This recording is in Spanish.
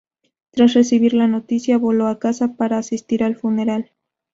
Tras recibir la noticia, voló a casa para asistir al funeral.